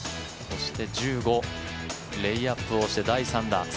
そして１５、レイアップをして第３打。